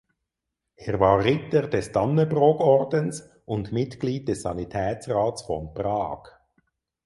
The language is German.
Er war Ritter des Dannebrogordens und Mitglied des Sanitätsrats von Prag.